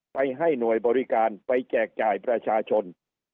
ไปให้หน่วยบริการไปแจกจ่ายประชาชน